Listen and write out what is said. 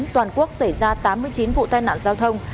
toàn quốc xảy ra tám mươi chín vụ tai nạn giao thông